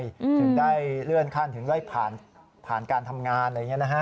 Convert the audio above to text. ถึงได้เลื่อนขั้นถึงไล่ผ่านการทำงานอะไรอย่างนี้นะฮะ